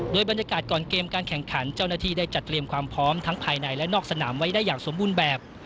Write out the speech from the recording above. โดยบรรยากาศก่อนเกมการแข่งขันเจ้าหน้าที่ได้จัดเตรียมความพร้อมทั้งภายในและนอกสนามไว้ได้อย่างสมบูรณ์แบบ